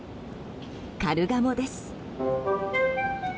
カルガモです。